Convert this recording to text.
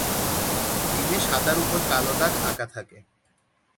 ডিমে সাদার উপর কালো দাগ আকা থাকে।